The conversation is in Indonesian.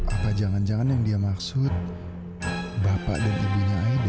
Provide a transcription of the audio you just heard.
apa jangan jangan yang dia maksud bapak dan ibunya ini